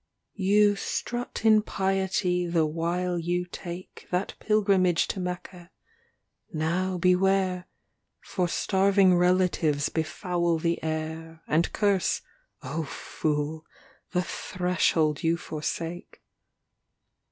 LXXXVI You strut in piety the while you take That pilgrimage to Mecca. Now beware, For starving relatives befoul the air, And curse, 0 fool, the threshold you forsake.